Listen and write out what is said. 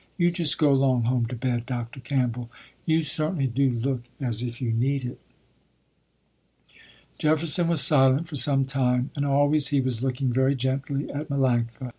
You just go 'long home to bed, Dr. Campbell. You certainly do look as if you need it." Jefferson was silent for some time, and always he was looking very gently at Melanctha.